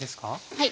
はい。